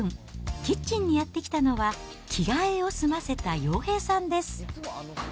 キッチンにやって来たのは、着替えを済ませた洋平さんです。